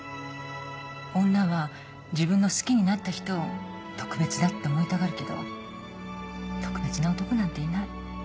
女は自分の好きになった人を特別だって思いたがるけど特別な男なんていない。